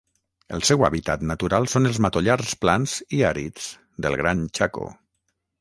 El seu hàbitat natural són els matollars plans i àrids del Gran Chaco.